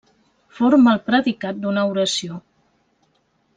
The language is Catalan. Forma el predicat d'una oració.